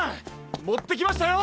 もってきましたよ！